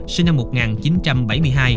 sinh năm một nghìn chín trăm bảy mươi hai